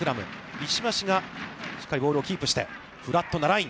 石橋がしっかりボールをキープして、フラットなライン。